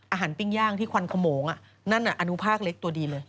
ปิ้งย่างที่ควันขโมงนั่นอนุภาคเล็กตัวดีเลย